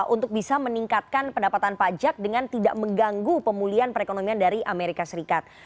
untuk bisa meningkatkan pendapatan pajak dengan tidak mengganggu pemulihan perekonomian dari amerika serikat